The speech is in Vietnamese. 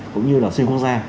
cũng như là xuyên quốc gia